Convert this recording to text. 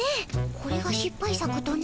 これがしっぱい作とな？